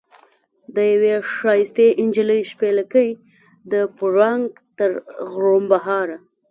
د یوې ښایستې نجلۍ شپېلکی د پړانګ تر غړمبهاره.